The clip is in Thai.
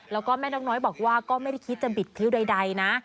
แล้วก็แม่นกน้อยบอกว่าก็ไม่ได้คิดจะบิดคิ้วใดนะ